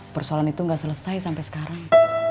persoalan itu nggak selesai sampai sekarang